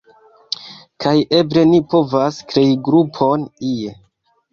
kaj eble ni povas krei grupon ie